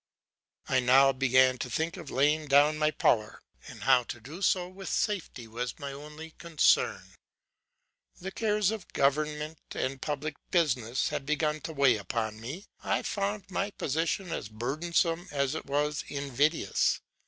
'I now began to think of laying down my power; and how to do so with safety was my only concern. The cares of government and public business had begun to weigh upon me; I found my position as burdensome as it was invidious.